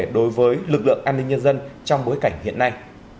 đối với lực lượng an ninh nhân dân trong bối cảnh hiện nay